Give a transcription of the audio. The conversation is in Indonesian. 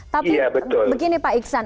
tapi begini pak iksan